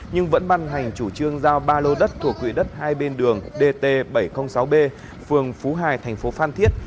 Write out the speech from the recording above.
nhưng vẫn băn hành chủ trương giao ba lô đất thuộc quỹ đất hai bên đường dt bảy trăm linh sáu b phường phú hài tp phan thiết